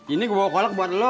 ini bawa kolak buat lo